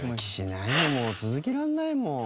もう続けられないもん。